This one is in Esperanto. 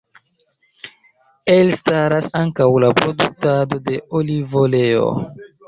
Elstaras ankaŭ la produktado de olivoleo.